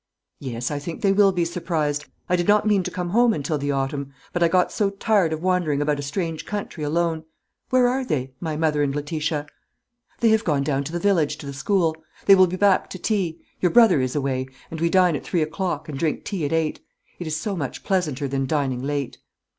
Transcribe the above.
"Yes; I think they will be surprised. I did not mean to come home until the autumn. But I got so tired of wandering about a strange country alone. Where are they my mother and Letitia?" "They have gone down the village, to the school. They will be back to tea. Your brother is away; and we dine at three o'clock, and drink tea at eight. It is so much pleasanter than dining late."